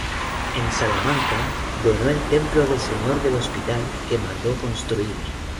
En Salamanca, donó el Templo del señor del Hospital, que mandó construir.